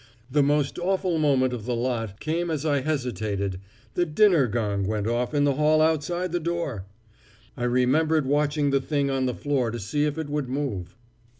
The most awful moment of the lot came as I hesitated the dinner gong went off in the hall outside the door! I remember watching the thing on the floor to see if it would move.